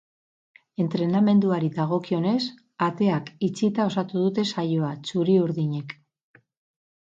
Entrenamenduari dagokionez, ateak itxita osatu dute saioa txuri-urdinek.